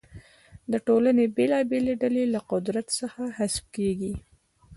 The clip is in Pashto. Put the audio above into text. د ټولنې بېلابېلې ډلې له قدرت څخه حذف کیږي.